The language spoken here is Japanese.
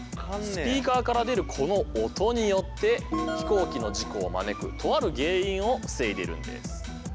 スピーカーから出るこの音によって飛行機の事故を招くとある原因を防いでいるんです。